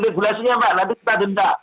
regulasinya nanti kita denda